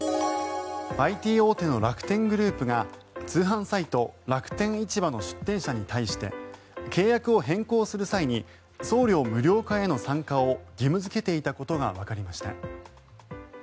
ＩＴ大手の楽天グループが通販サイト、楽天市場の出店者に対して契約を変更する際に送料無料化への参加を義務付けていたことがわかりました。